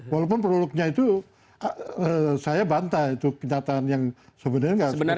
walaupun produknya itu saya bantah itu kenyataan yang sebenarnya nggak seperti itu